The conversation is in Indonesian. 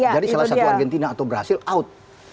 jadi salah satu argentina atau brazil out